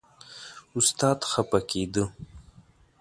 استاد خپه کېده.